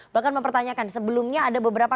bahkan mempertanyakan sebelumnya ada beberapa